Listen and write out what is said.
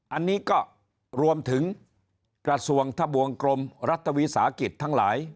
อันนี้ก็รวมถึงกระทรวงทะบวงกรมรัฐวิสาหกิจทั้งหลาย